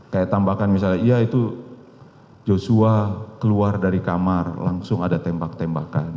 kayak tambahkan misalnya iya itu joshua keluar dari kamar langsung ada tembak tembakan